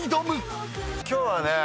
今日はね